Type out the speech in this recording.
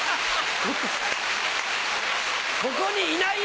ここにいないよ！